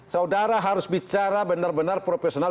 saudara harus bicara benar benar profesional